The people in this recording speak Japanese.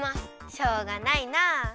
しょうがないな。